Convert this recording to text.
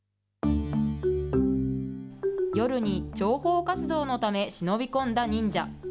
夜に諜報活動のため、忍び込んだ忍者。